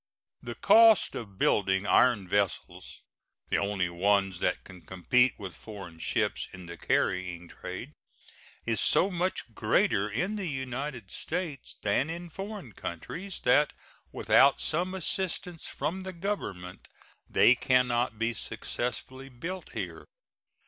The cost of building iron vessels, the only ones that can compete with foreign ships in the carrying trade, is so much greater in the United States than in foreign countries that without some assistance from the Government they can not be successfully built here.